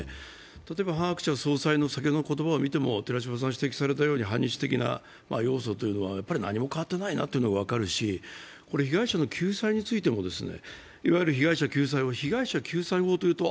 例えばハン・ハクチャ総裁の先ほどの言葉を見ても、反日的な要素ということは何も変わっていないなということが分かるし被害者の救済についてもいわゆる被害者救済法というと